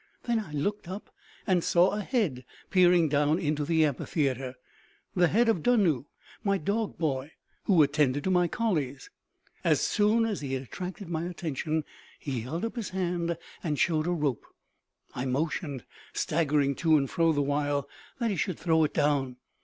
Then I looked up and saw a head peering down into the amphitheater the head of Dunnoo, my dog boy, who attended to my collies. As soon as he had attracted my attention, he held up his hand and showed a rope. I motioned, staggering to and fro the while, that he should throw it down.